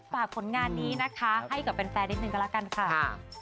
ฝากผลงานนี้นะคะให้กับเป็นแฟนนึงก็ลาการค่ะ